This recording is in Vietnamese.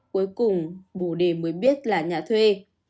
cuối cùng bù đề mới biết là nhà thuê